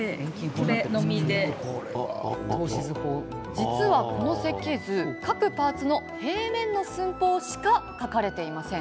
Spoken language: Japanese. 実は、この設計図各パーツの平面の寸法しか描かれていません。